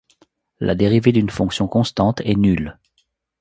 La dérivée d'une fonction constante est nulle.